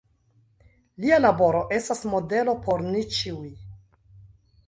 Lia laboro estas modelo por ni ĉiuj.